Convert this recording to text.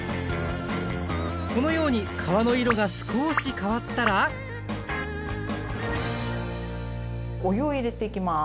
このように皮の色が少し変わったらお湯を入れていきます。